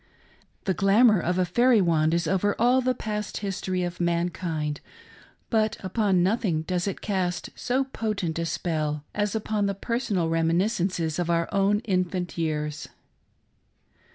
The glamour of a fairy wand is over all the past history of mankind ; but upon nothing does it cast so potent a spell as upon the personal reminiscences of our own infant years.